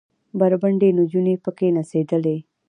بربنډې نجونې پکښې نڅېدلې.